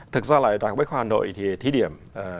thực ra là đại học bách khoa hà nội thì thí điểm